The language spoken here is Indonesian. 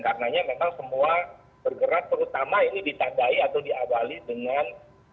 karenanya memang semua bergerak terutama ini ditandai atau diabali dengan